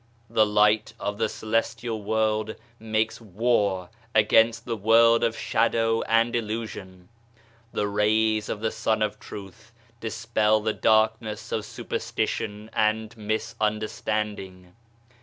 The light of the celestial world makes war against the world of shadow and illusion. The rays of the Sun of Truth dispel the darkness of superstition and misunder standing.